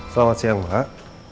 selamat siang mbak